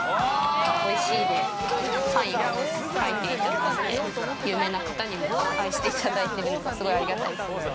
おいしいですってサインを書いていただいて有名な方にも愛していただいているのがすごいありがたい。